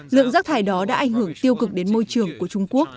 lượng rác thải đó đã ảnh hưởng tiêu cực đến môi trường của trung quốc